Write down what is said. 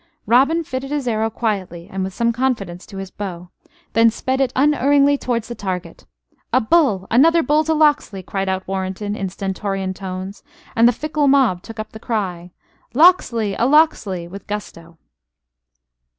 Robin fitted his arrow quietly and with some confidence to his bow, then sped it unerringly towards the target. "A bull! Another bull to Locksley!" cried out Warrenton, in stentorian tones, and the fickle mob took up the cry: "Locksley! A Locksley!" with gusto.